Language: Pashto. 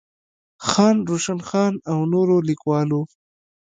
خان روشن خان او نورو ليکوالو